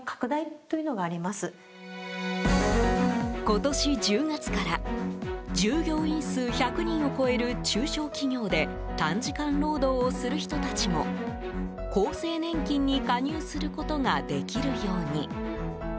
今年１０月から従業員数１００人を超える中小企業で短時間労働をする人たちも厚生年金に加入することができるように。